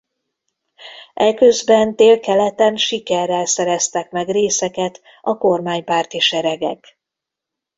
Eközben délkeleten sikerrel szereztek meg részeket a kormánypárti seregek.